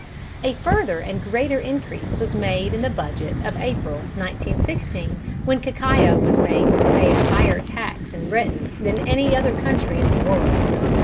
A further and greater increase was made in the Budget of April, 1916, when cacao was made to pay a higher tax in Britain than in any other country in the world.